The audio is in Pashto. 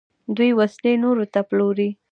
دوی وسلې نورو ته پلوري.